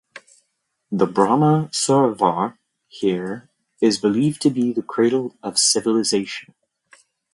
The Brahma Sarovar here is believed to be the cradle of civilization.